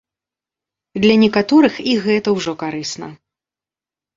Для некаторых і гэта ўжо карысна.